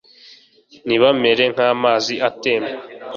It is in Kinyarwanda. nibamere nk'amazi atemba